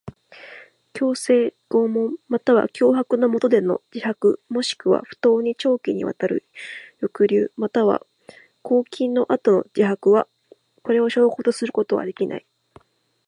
強制、拷問または脅迫のもとでの自白もしくは不当に長期にわたる抑留または拘禁の後の自白は、これを証拠とすることはできない。